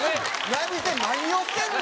何して何をしてんの？